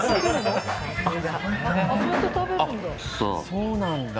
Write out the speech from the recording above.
そうなんだ。